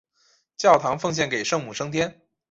教堂奉献给圣母升天。